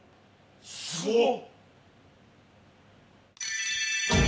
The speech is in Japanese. すごっ。